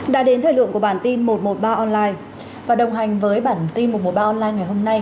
đã đến thời lượng của bản tin một trăm một mươi ba online và đồng hành với bản tin một trăm một mươi ba online ngày hôm nay